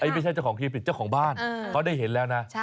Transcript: ไม่ใช่เจ้าของคลิปเจ้าของบ้านเขาได้เห็นแล้วนะ